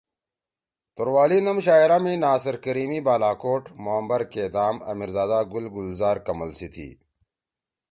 توروالی نم شاعرا می ناصر کریمی بالاکوٹ، معمبر کیدام، آمیر زادہ گل گلزار کمل سی تھی۔